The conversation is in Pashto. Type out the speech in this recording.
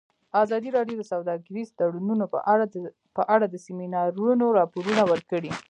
ازادي راډیو د سوداګریز تړونونه په اړه د سیمینارونو راپورونه ورکړي.